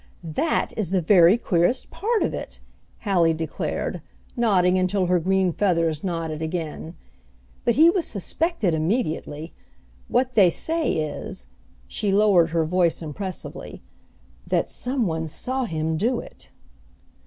"That is the very queerest part of it," Hallie declared, nodding until her green feathers nodded again, "but he was suspected immediately. What they say is " she lowered her voice impressively "that some one saw him do it."